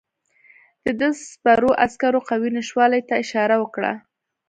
ده د سپرو عسکرو قوې نشتوالي ته اشاره وکړه.